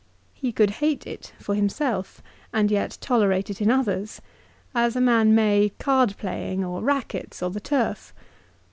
He could hate it for himself, and yet tolerate it in others, as a man may card playing, or rackets, or the turf.